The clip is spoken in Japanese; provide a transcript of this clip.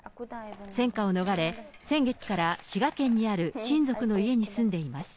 戦火を逃れ、先月から滋賀県にある親族の家に住んでいます。